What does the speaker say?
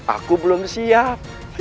aku belum siap